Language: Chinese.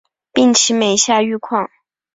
病情每下愈况